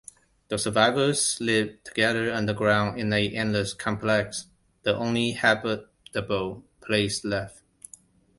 The survivors live together underground in an endless complex, the only habitable place left.